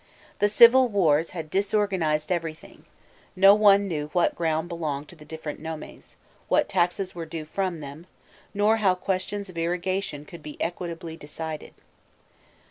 The civil wars had disorganized everything; no one knew what ground belonged to the different nomes, what taxes were due from them, nor how questions of irrigation could be equitably decided.